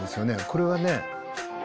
これはね